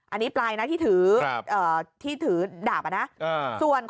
อันนี้ปลายนะที่ถือดาบล่ะนะส่วนครับ